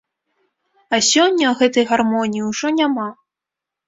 А сёння гэтай гармоніі ўжо няма.